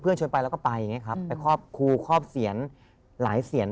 เพื่อนชนไปแล้วก็ไปไงครับไปครอบครูครอบเสียรหลายเสียร